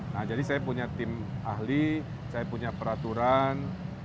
nah jadi saya punya tim ahli saya punya peraturan